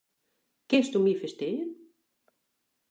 Kinsto my ferstean?